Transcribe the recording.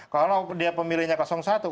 kalau dia pemilihnya satu